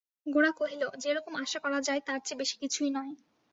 গোরা কহিল, যেরকম আশা করা যায় তার চেয়ে বেশি কিছুই নয়।